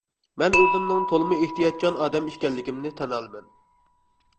مەن ئۆزۈمنىڭ تولىمۇ ئېھتىياتچان ئادەم ئىكەنلىكىمنى تەن ئالىمەن.